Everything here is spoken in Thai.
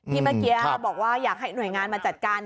เมื่อกี้บอกว่าอยากให้หน่วยงานมาจัดการ